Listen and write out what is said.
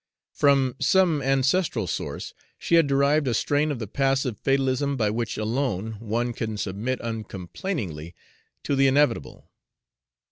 From some ancestral source she had derived a strain of the passive fatalism by which alone one can submit uncomplainingly to the inevitable.